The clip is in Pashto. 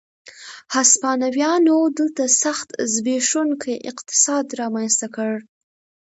هسپانویانو دلته سخت زبېښونکی اقتصاد رامنځته کړ.